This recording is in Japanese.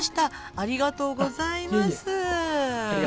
ありがとうございます。